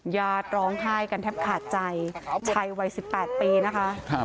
ญาติร้องไห้กันแทบขาดใจชายวัย๑๘ปีนะคะ